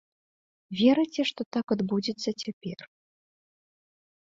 Верыце, што так адбудзецца цяпер?